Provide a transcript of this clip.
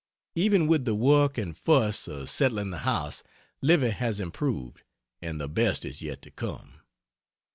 Even with the work and fuss of settling the house Livy has improved and the best is yet to come.